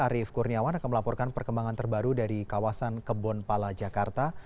arief kurniawan akan melaporkan perkembangan terbaru dari kawasan kebon pala jakarta